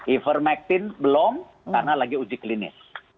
ivermectin belum karena lagi uji klinis